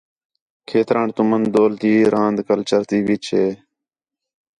کھیتران تُمن ڈول تی راند کلچر تی وِچ ہے